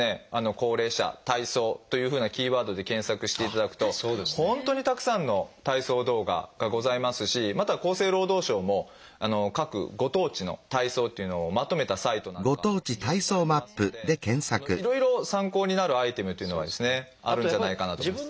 「高齢者」「体操」というふうなキーワードで検索していただくと本当にたくさんの体操動画がございますしまた厚生労働省も各ご当地の体操というのをまとめたサイトなんかも準備されてますのでいろいろ参考になるアイテムというのはですねあるんじゃないかなと思います。